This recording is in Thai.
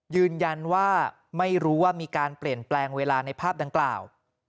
ยืนยันว่าไม่รู้ว่ามีการเปลี่ยนแปลงเวลาในภาพดังกล่าว